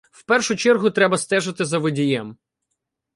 В першу чергу треба стежити за водієм.